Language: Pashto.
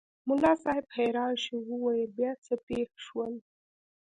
ملا صاحب حیران شو وویل بیا څه پېښ شول؟